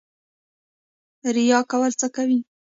ریا کول څه کوي؟